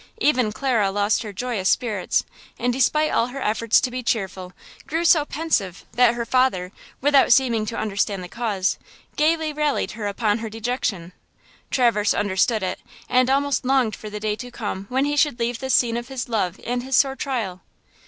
Even Clara lost her joyous spirits and despite all her efforts to be cheerful, grew so pensive that her father, without seeming to understand the cause, gayly rallied her upon her dejection. Traverse understood it and almost longed for the day to come when he should leave this scene of his love and his sore trial.